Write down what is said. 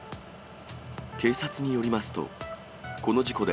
警察によりますと、この事故で、